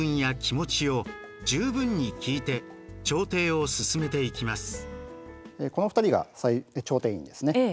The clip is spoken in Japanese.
こちらの２人が調停委員ですね。